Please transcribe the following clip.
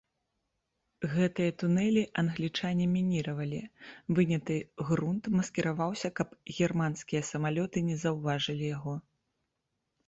Гэтыя тунэлі англічане мініравалі, выняты грунт маскіраваўся, каб германскія самалёты не заўважылі яго.